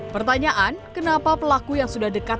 pertanyaan kenapa pelaku yang sudah dekat